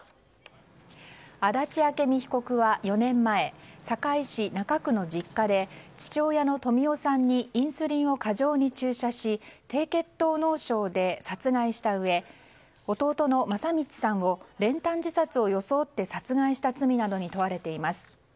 足立朱美被告は４年前堺市中区の実家で父親の富夫さんにインスリンを過剰に注射し低血糖脳症で殺害したうえ弟の聖光さんを練炭自殺を装って殺害した罪などに問われています。